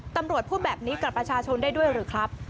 ตำรวจพูดแบบนี้กับประชาชนได้ด้วยหรือครับ